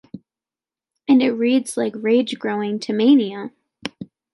And it reads like rage growing to mania!